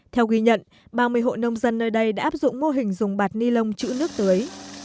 theo ghi nhận ba mươi hộ nông dân nơi đây đã áp dụng mô hình dùng bạt ni lông chữ nước tưới